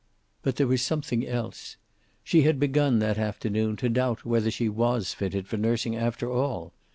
But there was something else. She had begun, that afternoon, to doubt whether she was fitted for nursing after all.